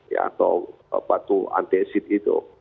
ya atau batu antesit itu